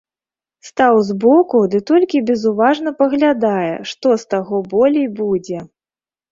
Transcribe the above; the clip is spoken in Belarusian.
Стаў збоку ды толькі безуважна паглядае, што з таго болей будзе.